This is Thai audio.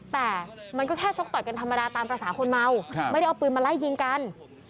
แต่มันก็แค่ชกต่อยกันธรรมดาตามภาษาคนเมาไม่ได้เอาปืนมาไล่ยิงกัน